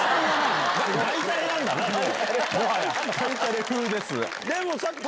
外タレ風です。